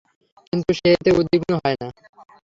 কিন্তু সে এতে উদ্বিগ্ন হয় না।